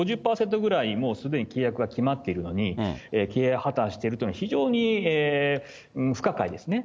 ５０％ぐらいもうすでに契約が決まっているのに、経営破綻してるというのは、非常に不可解ですね。